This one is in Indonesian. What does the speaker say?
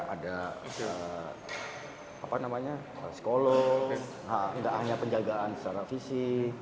ada psikolog dan penjagaan secara fisik